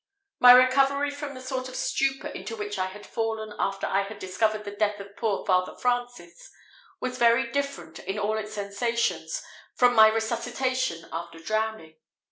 My recovery from the sort of stupor into which I had fallen after I had discovered the death of poor Father Francis was very different in all its sensations from my resuscitation after drowning.